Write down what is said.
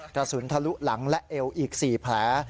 กระสุนทะลุหลังและเอวอีก๔แผล